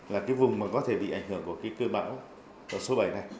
là vùng có thể bị ảnh hưởng bởi cơn bão số bảy